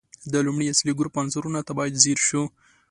د لومړي اصلي ګروپ عنصرونو ته باید ځیر شو.